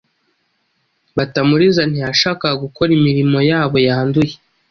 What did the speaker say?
Batamuriza ntiyashakaga gukora imirimo yabo yanduye.